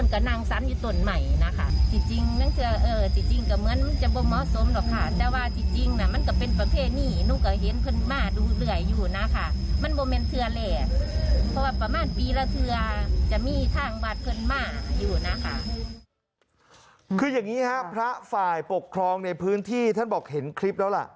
คืออย่างนี้ครับพระฝ่ายปกครองในพื้นที่ท่านบอกเห็นคลิปแล้วล่ะ